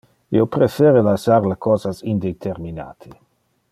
Io prefere lassar le cosas indeterminate.